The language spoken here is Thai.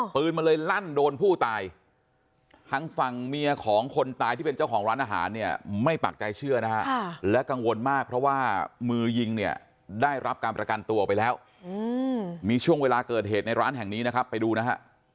ปืนมันเลยลั่นโดนผู้ตายทางฝั่งเมียของคนตายที่เป็นเจ้าของร้านอาหารเนี่ยไม่ปักใจเชื่อนะฮะและกังวลมากเพราะว่ามือยิงเนี่ยได้รับการประกันตัวไปแล้วมีช่วงเวลาเกิดเหตุในร้านแห่งนี้นะครับไปดูนะฮะ